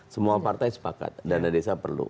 semua partai sepakat dana desa perlu